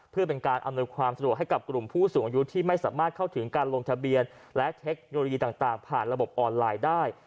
เพื่อเป็นการอำนวยความสะดวกให้กับกลุ่มผู้สูงอายุที่ไม่สามารถเข้าถึงการลงทะเบียนและเทคโนโลยีต่างผ่านระบบออนไลน์ได้